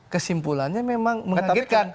kesimpulannya memang mengagetkan